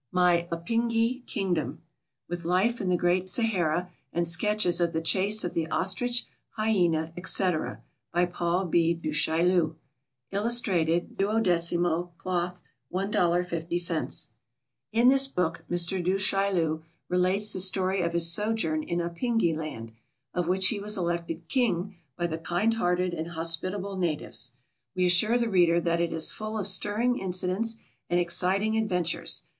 _My Apingi Kingdom: With Life in the Great Sahara, and Sketches of the Chase of the Ostrich, Hyena, &c. By PAUL B. DU CHAILLU. Illustrated. 12mo, Cloth, $1.50. In this book Mr. Du Chaillu relates the story of his sojourn in Apingi Land, of which he was elected king by the kind hearted and hospitable natives. We assure the reader that it is full of stirring incidents and exciting adventures.